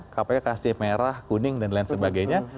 kpk kasih merah kuning dan lain sebagainya